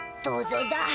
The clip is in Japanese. どうぞだ。